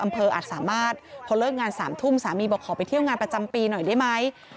อาจสามารถพอเลิกงาน๓ทุ่มสามีบอกขอไปเที่ยวงานประจำปีหน่อยได้ไหม